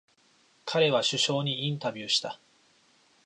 彼は首相にインタビューした。